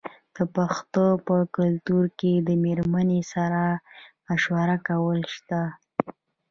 د پښتنو په کلتور کې د میرمنې سره مشوره کول شته.